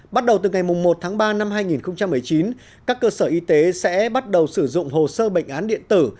bắt đầu từ ngày một tháng ba năm hai nghìn một mươi chín các cơ sở y tế sẽ bắt đầu sử dụng hồ sơ bệnh án điện tử